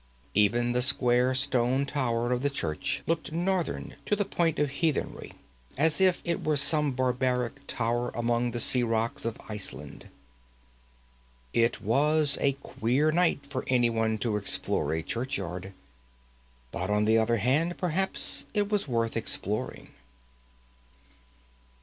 Even the square stone tower of the church looked northern to the point of heathenry, as if it were some barbaric tower among the sea rocks of Iceland. It was a queer night for anyone to explore a churchyard. But, on the other hand, perhaps it was worth exploring.